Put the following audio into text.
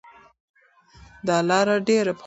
دا لاره ډیره پخوانۍ ده.